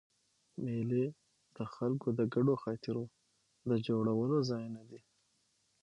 مېلې د خلکو د ګډو خاطرو د جوړولو ځایونه دي.